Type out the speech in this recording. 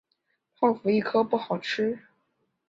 泡芙一颗不好吃